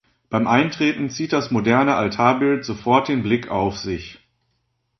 Beim Eintreten zieht das moderne Altarbild sofort den Blick auf sich.